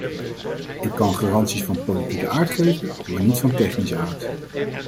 Ik kan garanties van politieke aard geven, maar niet van technische aard.